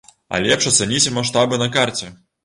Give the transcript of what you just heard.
А лепш ацаніце маштабы на карце!